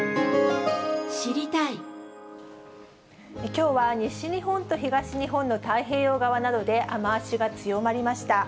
きょうは西日本と東日本の太平洋側などで雨足が強まりました。